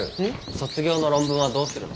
卒業の論文はどうするの？